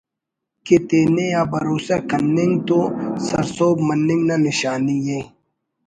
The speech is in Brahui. کہ تینے آ بھروسہ کننگ تو سرسہب مننگ نا نشانی ءِ